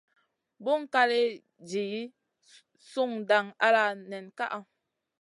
Buŋ kaley jih su dang ala nen kaʼa.